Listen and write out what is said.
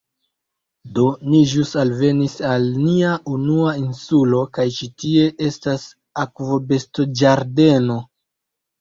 Do, ni ĵus alvenis al nia unua insulo kaj ĉi tie estas akvobestoĝardeno